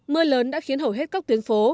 mưa lớn đã khiến hầu hết các tuyến phố